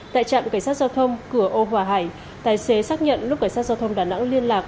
tại trạm cảnh sát giao thông cửa ô hòa hải tài xế xác nhận lúc cảnh sát giao thông đà nẵng liên lạc